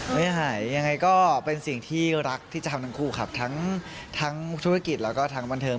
ไม่หายยังไงก็เป็นสิ่งที่รักที่จะทำทั้งคู่ครับทั้งธุรกิจแล้วก็ทั้งบันเทิง